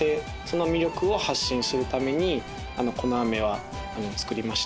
その魅力を発信するためにこの飴は作りました。